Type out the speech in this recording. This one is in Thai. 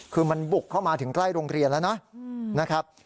คือมันบุกเข้ามาถึงใกล้โรงเรียนแล้วนะครับ